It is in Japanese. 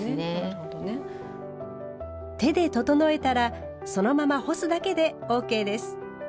手で整えたらそのまま干すだけでＯＫです。